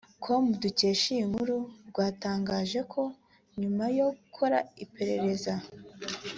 com dukesha iyi nkuru rwatangaje ko nyuma yo gukora iperereza